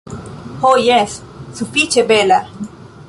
Ho jes, sufiĉe bela.